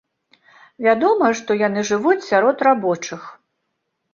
Вядома, што яны жывуць сярод рабочых.